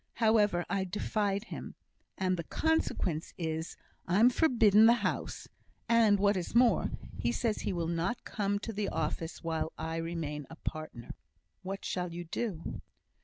However, I defied him; and the consequence is, I'm forbidden the house, and, what is more, he says he will not come to the office while I remain a partner." "What shall you do?"